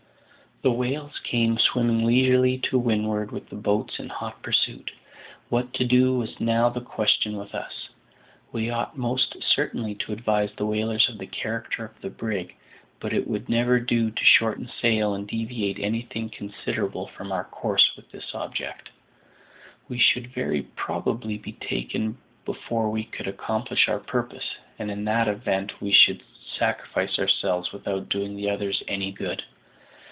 The whales came swimming leisurely to windward with the boats in hot pursuit. What to do was now the question with us. We ought most certainly to advise the whalers of the character of the brig, but it would never do to shorten sail and deviate anything considerable from our course with this object. We should very probably be taken before we could accomplish our purpose, and in that event we should sacrifice ourselves without doing the others any good.